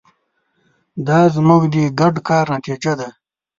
دا زموږ د ګډ کار نتیجه ده.